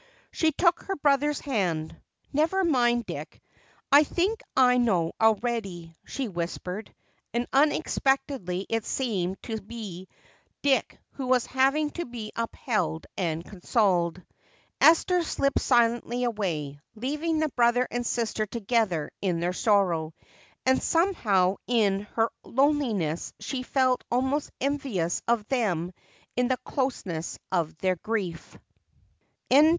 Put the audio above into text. She took her brother's hand. "Never mind, Dick, I think I know already," she whispered, and unexpectedly it seemed to be Dick who was having to be upheld and consoled. Esther slipped silently away, leaving the brother and sister together in their sorrow, and somehow in her loneliness she felt almost envious of them in the closeness of their grief.